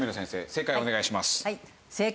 正解をお願いします。